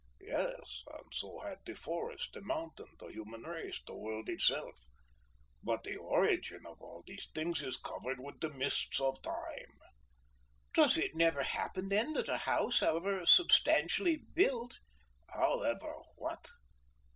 "Yes; and so had the forest, the mountain, the human race, the world itself. But the origin of all these things is covered with the mists of time." "Does it never happen, then, that a house, however substantially built " "However what!